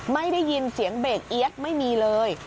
ไม่ได้ยินเสียงเบรกเอี๊ยดไม่มีเลย